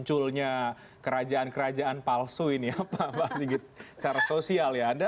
munculnya kerajaan kerajaan palsu ini ya pak sigit secara sosial ya